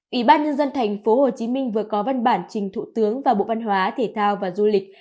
ủy ban nhân dân tp hcm vừa có văn bản trình thủ tướng và bộ văn hóa thể thao và du lịch